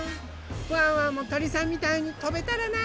ワンワンもとりさんみたいにとべたらな。